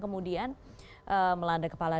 kemudian melanda kepala